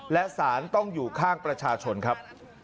และสารต้องอยู่ข้างประชาชนครับ